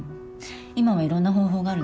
今はいろんな方法があるでしょ。